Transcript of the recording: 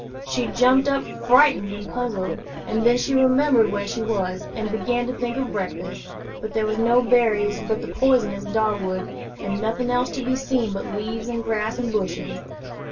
She jumped up frightened and puzzled, and then she remembered where she was, and began to think of breakfast. But there were no berries but the poisonous dog wood, and nothing else to be seen but leaves and grass and bushes.